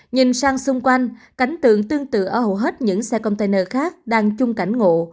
nhìn sang xung quanh cánh tượng tương tự ở hầu hết những xe container khác đang chung cảnh ngộ